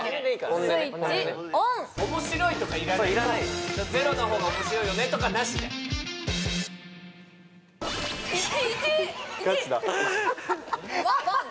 面白いとかいらないゼロのほうが面白いよねとかナシで１１！